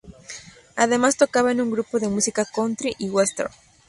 Además, tocaba en un grupo de música country y western.